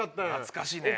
懐かしいね。